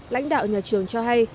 lãnh đạo nhà trường cho hay